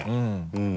うん。